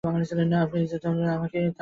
আমর ibn Jamuh বললেন, তাকে আমার নিকট নিয়ে এস।